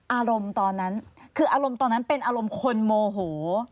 อารมณ์ตอนนั้นคืออารมณ์ตอนนั้นเป็นอารมณ์คนโมโห